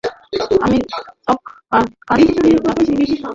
আমি ত্বক কাটতে যাচ্ছি।